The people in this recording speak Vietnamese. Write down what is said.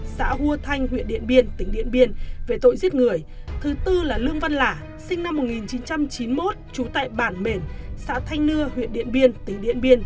xã hua thanh huyện điện biên tỉnh điện biên